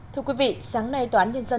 thưa quý vị sáng nay tòa án nhân dân